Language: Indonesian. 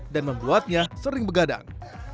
dan membuatnya sering bergadang